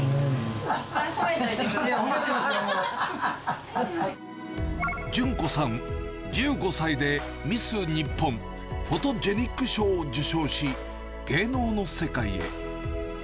いっぱい褒めておいてくださ純子さん、１５歳でミス日本フォトジェニック賞を受賞し、芸能の世界へ。